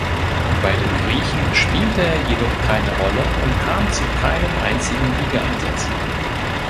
Bei den Griechen spielte er jedoch keine Rolle und kam zu keinem einzigen Ligaeinsatz.